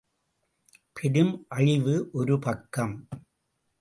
பெரும் அழிவு ஒரு பக்கம்.